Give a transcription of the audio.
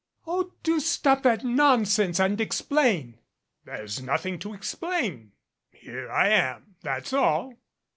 "Oh, do stop that nonsense and explain " "There's nothing to explain. Here I am. That's all."